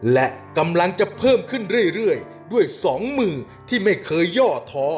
และกำลังจะเพิ่มขึ้นเรื่อยด้วยสองมือที่ไม่เคยย่อท้อ